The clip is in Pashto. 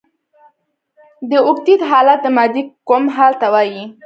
د اوکتیت حالت د مادې کوم حال ته وايي؟